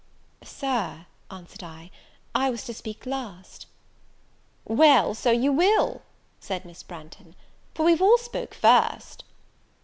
"Sir," answered I, "I was to speak last." "Well, so you will," said Miss Branghton, "for we've all spoke first."